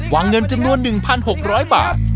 วางเงินจำนวน๑๖๐๐บาท